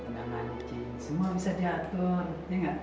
nah waktunya sudah habis